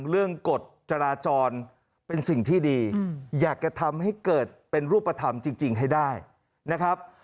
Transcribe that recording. กฎจราจรเป็นสิ่งที่ดีอยากจะทำให้เกิดเป็นรูปธรรมจริงให้ได้นะครับ